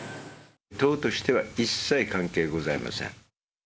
党としては一切関係ございません。